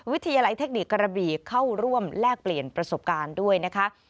วิทยาลัยเทคนิคกระบีเข้าร่วมแลกเปลี่ยนประสบการณ์ด้วยนะคะ